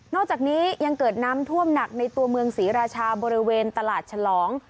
อกจากนี้ยังเกิดน้ำท่วมหนักในตัวเมืองศรีราชาบริเวณตลาดฉลอง